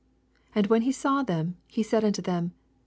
14 And when he saw them^ he said unto them.